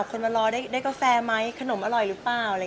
คนมารอได้กาแฟไหมขนมอร่อยหรือเปล่า